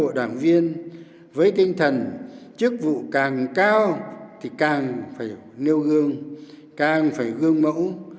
đảng viên với tinh thần chức vụ càng cao thì càng phải nêu gương càng phải gương mẫu